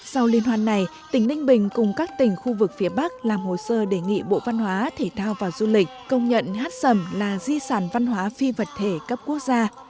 sau liên hoan này tỉnh ninh bình cùng các tỉnh khu vực phía bắc làm hồ sơ đề nghị bộ văn hóa thể thao và du lịch công nhận hát sầm là di sản văn hóa phi vật thể cấp quốc gia